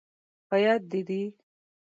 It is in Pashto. په یاد، دې دي؟